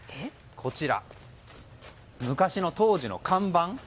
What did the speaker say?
こちら、昔の当時の看板。